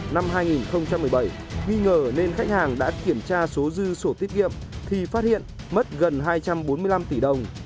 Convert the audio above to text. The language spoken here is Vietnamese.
năm hai nghìn một mươi bảy nghi ngờ nên khách hàng đã kiểm tra số dư sổ tiết kiệm thì phát hiện mất gần hai trăm bốn mươi năm tỷ đồng